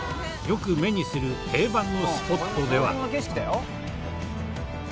よく目にする定番のスポットでは。